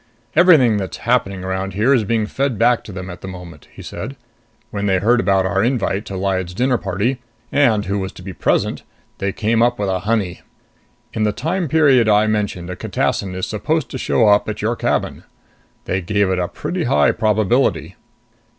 "Everything that's happening around here is being fed back to them at the moment," he said. "When they heard about our invite to Lyad's dinner party, and who was to be present, they came up with a honey. In the time period I mentioned a catassin is supposed to show up at your cabin. They give it a pretty high probability."